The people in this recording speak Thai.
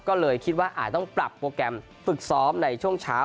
ก็เลยคิดว่าอาจต้องปรับโปรแกรมฝึกซ้อมในช่วงเช้า